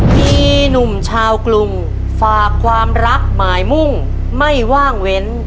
มีหนุ่มชาวกรุงฝากความรักหมายมุ่งไม่ว่างเว้น